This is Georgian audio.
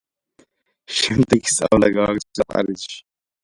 შემდეგ სწავლა გააგრძელა პარიზში.